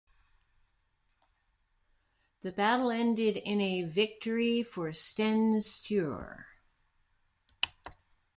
The battle ended in a victory for Sten Sture.